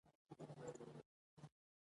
سیاسي ډلو د هیواد ملي بنسټونه زیانمن کړي دي